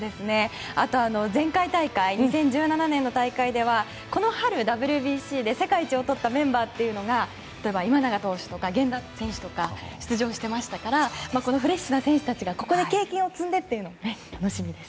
あと前回大会２０１７年の大会ではこの春ＷＢＣで世界一を取ったメンバーというのが例えば今永投手とか源田選手とかが出場していたのでフレッシュな選手たちがここで経験を積んでいくのも楽しみです。